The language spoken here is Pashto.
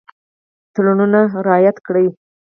تړونونه رعایت کړي.